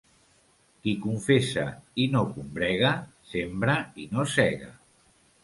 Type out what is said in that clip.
Qui confessa i no combrega, sembra i no sega.